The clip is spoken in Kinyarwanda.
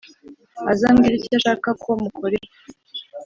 Aze ambwire icyo ashaka ko mukorera